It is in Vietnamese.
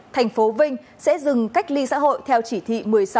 thành phố vinh sẽ dừng cách ly xã hội theo chỉ thị một mươi sáu